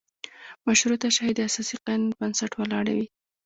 مشروطه شاهي د اساسي قانون په بنسټ ولاړه وي.